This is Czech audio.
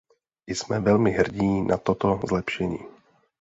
Jsme velmi hrdí na toto zlepšení.